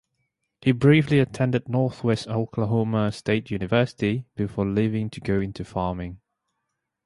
He briefly attended Northwest Oklahoma State University before leaving to go into farming.